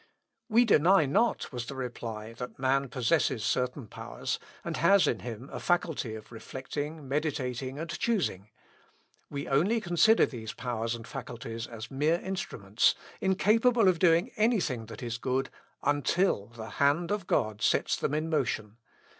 "We deny not," was the reply, "that man possesses certain powers, and has in him a faculty of reflecting, meditating, and choosing. We only consider these powers and faculties as mere instruments, incapable of doing any thing that is good until the hand of God sets them in motion.